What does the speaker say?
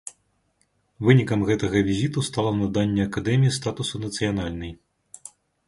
Вынікам гэтага візіту стала наданне акадэміі статусу нацыянальнай.